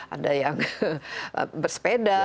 ada yang bersepeda